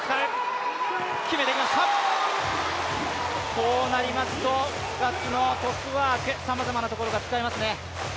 こうなりますと深津のトスワークさまざまなところが使えますね。